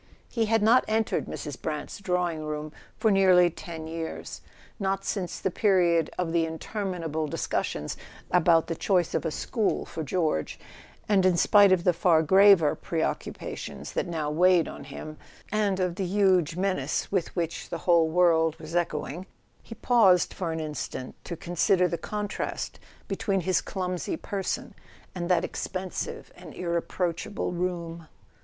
He had not entered Mrs. Brant's drawing room for nearly ten [ 15 ] A SON AT THE FRONT years; not since the period of the interminable dis¬ cussions about the choice of a school for George; and in spite of the far graver preoccupations that now weighed on him, and of the huge menace with which the whole world was echoing, he paused for an instant to consider the contrast between his clumsy person and that expensive and irreproachable room.